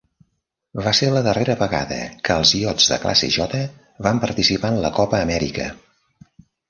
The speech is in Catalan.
Va ser la darrera vegada que els iots de classe J van participar en la Copa Amèrica.